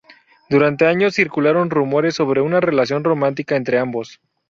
Durante años, circularon rumores sobre una relación romántica entre ambos.